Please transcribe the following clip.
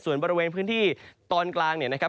ส่วนบริเวณพื้นที่ตอนกลางเนี่ยนะครับ